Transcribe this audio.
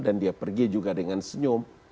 dan dia pergi juga dengan senyum